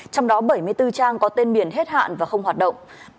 trong đó bảy mươi bốn trang có tên miền hết hạn và không hoạt động